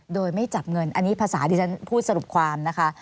โดยไม่จับเงินอันนี้ภาษาที่ฉันพูดสรุปความนะคะ